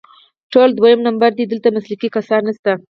ټول دویم نمبر دي، دلته مسلکي کسان نشته